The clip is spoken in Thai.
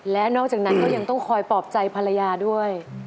และนอกจากนั้นก็ยังต้องคอยปลอบใจภรรยาด้วย